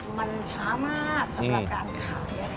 ใช่มันช้ามาก